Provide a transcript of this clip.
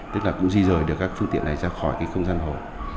tức là cũng di rời được các phương tiện này ra khỏi không gian hồ